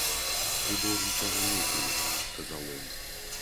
Ты должен пожалеть ее, — сказал он.